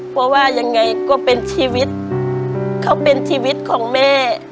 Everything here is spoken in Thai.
เพราะว่ายังไงก็เป็นชีวิตเขาเป็นชีวิตของแม่